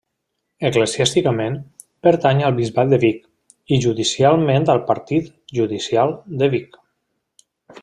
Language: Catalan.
Eclesiàsticament, pertany al Bisbat de Vic, i judicialment al Partit Judicial de Vic.